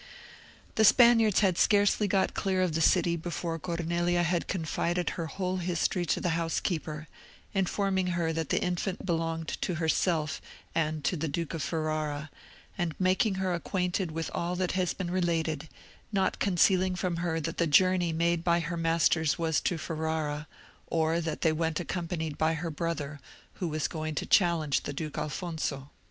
The Spaniards had scarcely got clear of the city before Cornelia had confided her whole history to the housekeeper, informing her that the infant belonged to herself and to the Duke of Ferrara, and making her acquainted with all that has been related, not concealing from her that the journey made by her masters was to Ferrara, or that they went accompanied by her brother, who was going to challenge the Duke Alfonso.